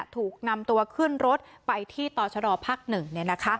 ถูกนำตัวขึ้นรถไปที่ต่อชะดอภักดิ์๑